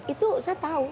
itu saya tahu